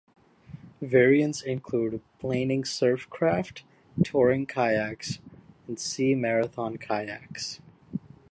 Variants include planing surf craft, touring kayaks, and sea marathon kayaks.